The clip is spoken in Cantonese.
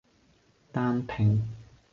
單拼